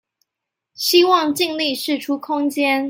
希望盡力釋出空間